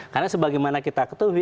karena sebagaimana kita ketahui